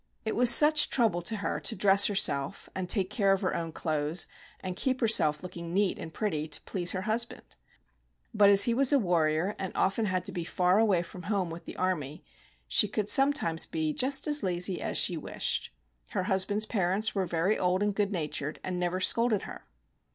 It was such trouble to her to dress herself, and take care of her own clothes, and keep herself looking neat and pretty to please her husband. But as he was a warrior, and often had to be far away from home with the army, she could sometimes be just as lazy as she wished. Her husband's parents were very old and good natured, and never scolded her.